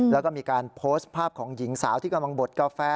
แล้วก็มีการโพสต์ภาพของหญิงสาวที่กำลังบดกาแฟ